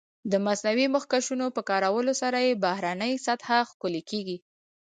د مصنوعي مخکشونو په کارولو سره یې بهرنۍ سطح ښکلې کېږي.